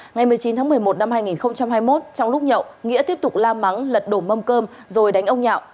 ngày một mươi chín tháng một mươi một năm hai nghìn hai mươi một trong lúc nhậu nghĩa tiếp tục la mắng lật đổ mâm cơm rồi đánh ông nhạo